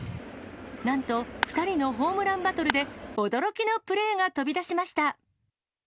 なんと、２人のホームランバトルで、驚きのプレーが飛び出しました。